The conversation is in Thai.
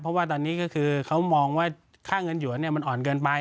เพราะว่าตอนนี้ก็คือเขามองว่าค่าเงินหยวนมันอ่อนเกินไป